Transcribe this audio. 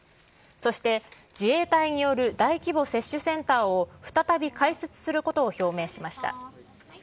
そして、自衛隊による大規模接種センターを再び開設することを表明しました。